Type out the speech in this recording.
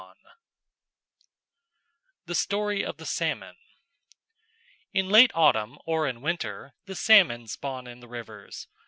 ] The Story of the Salmon In late autumn or in winter the salmon spawn in the rivers.